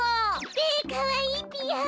べかわいいぴよ。